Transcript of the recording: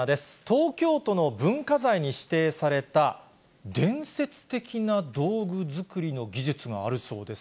東京都の文化財に指定された、伝説的な道具作りの技術があるそうです。